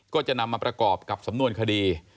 ก็จะนำมาประกอบกับสำนวนคดี